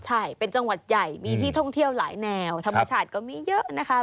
ใช่เป็นจังหวัดใหญ่มีที่ท่องเที่ยวหลายแนวธรรมชาติก็มีเยอะนะคะ